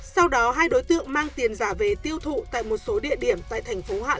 sau đó hai đối tượng mang tiền giả về tiền giả